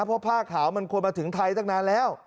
เพราะผ้าขาวมันควรมาถึงไทยตั้งนานแล้ว